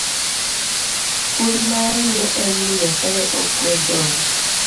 Puonj ma wayudo en ni Nyasaye ok we joge.